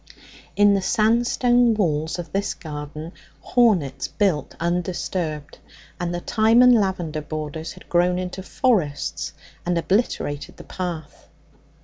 In the sandstone walls of this garden hornets built undisturbed, and the thyme and lavender borders had grown into forests and obliterated the path.